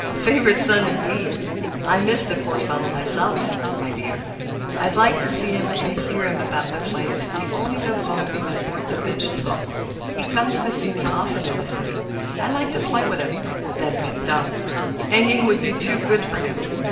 Favorite son, indeed! I miss the poor fellow myself, my dear. I liked to see him and to hear him about the place—the only Lebrun who is worth a pinch of salt. He comes to see me often in the city. I like to play to him. That Victor! hanging would be too good for him.